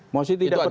mosi tidak percaya